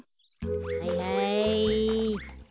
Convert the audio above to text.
はいはい。